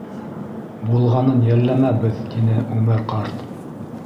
Булғанын йәлләмәбеҙ, — тине Үмәр ҡарт.